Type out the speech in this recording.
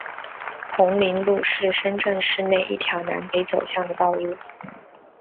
红岭路是深圳市内一条南北走向的道路。